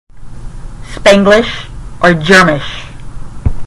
Spanglish or Germish.